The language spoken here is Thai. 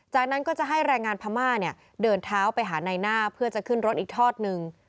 จากนั้นก็จะให้แรงงานพม่าเนี่ยเดินเท้าไปหานายหน้าเพื่อจะขึ้นรถอีกทอดหนึ่ง